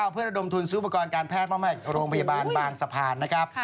เพื่อระดมทุนซื้อประกอบการแพทย์มากมายโรงพยาบาลบางสะพานนะครับ